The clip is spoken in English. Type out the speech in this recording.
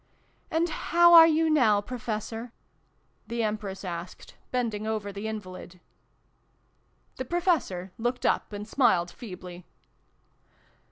" And how are you now, Professor ?" the Empress asked, bending over the invalid. The Professor looked up, and smiled feebly.